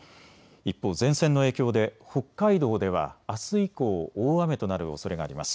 一方、前線の影響で北海道ではあす以降、大雨となるおそれがあります。